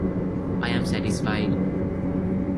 I am satisfied.